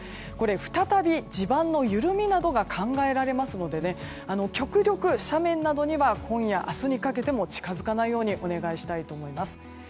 再び地盤の緩みなどが考えられますので極力、斜面などには今夜、明日にかけても近づかないようにお願いしたいと思います。